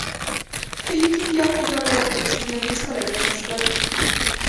په ایتوپیا کې دا ډول بنسټونه هېڅکله جوړ نه شول.